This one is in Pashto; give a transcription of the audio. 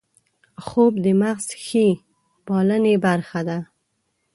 خوب د مغز ښې پالنې برخه ده